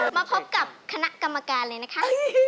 มาพบกับคณะกรรมการเลยนะคะ